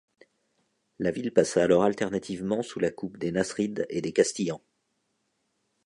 La ville passa alors alternativement sous la coupe des Nasrides et des Castillans.